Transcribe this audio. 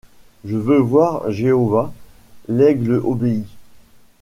Je veux voir Jéhovah. — L’aigle obéit.